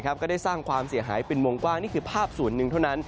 ก็ได้สร้างความเสียหายเป็นวงกว้างนี่คือภาพส่วนหนึ่งเท่านั้น